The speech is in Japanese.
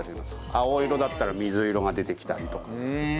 青色だったら水色が出てきたりとか。